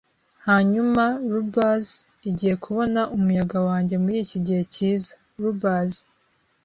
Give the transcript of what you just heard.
hanyuma. Lubbers igiye kubona umuyaga wanjye muriki gihe cyiza; lubbers